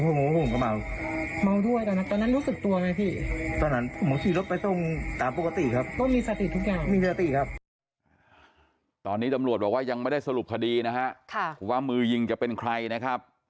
สติครับตอนนี้ตำรวจว่ายังไม่ได้สรุปพอดีนะฮะค่ะว่ามือยิงจะเป็นใครนะครับ